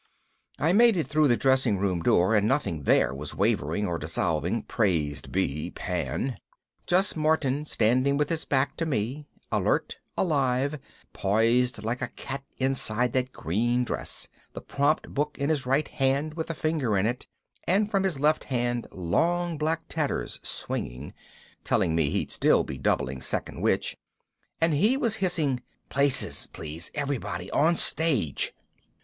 I made it through the dressing room door and nothing there was wavering or dissolving, praised be Pan. Just Martin standing with his back to me, alert, alive, poised like a cat inside that green dress, the prompt book in his right hand with a finger in it, and from his left hand long black tatters swinging telling me he'd still be doubling Second Witch. And he was hissing, "Places, please, everybody. On stage!"